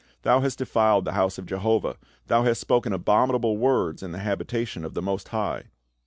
" Thou hast defiled the house of Jehovah ; thou hast spoken abominable words in the habitation of the Most High